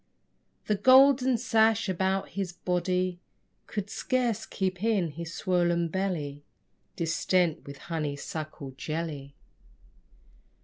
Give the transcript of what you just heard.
The golden sash about his body Could scarce keep in his swollen belly Distent with honey suckle jelly.